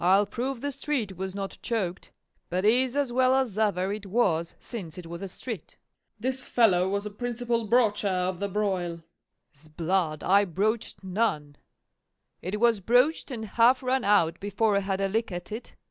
I'll prove the street was not choked, but is as well as ever it was since it was a street. SHRIEVE. This fellow was a principal broacher of the broil. FAULKNER. 'Sblood, I broached none; it was broached and half run out, before I had a lick at it.